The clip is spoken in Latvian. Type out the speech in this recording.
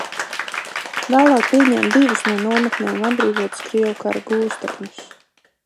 Vēlāk pieņēmu divus no nometnēm atbrīvotus krievu kara gūstekņus.